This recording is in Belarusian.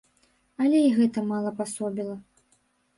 Але і гэта мала пасобіла.